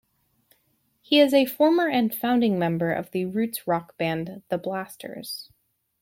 He is a former and founding member of the roots rock band the Blasters.